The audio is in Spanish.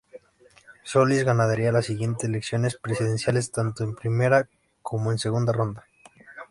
Solís ganaría las siguientes elecciones presidenciales tanto en primera como en segunda ronda.